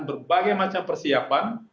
berbagai macam persiapan